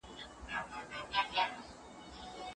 ازاد بازار د سياسي پرېکړو تر اغېز لاندې څنګه راځي؟